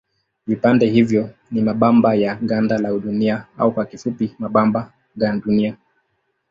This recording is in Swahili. Vipande hivyo ni mabamba ya ganda la Dunia au kwa kifupi mabamba gandunia.